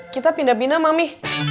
kita pindah pindah mami